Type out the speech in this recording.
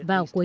vào cuối năm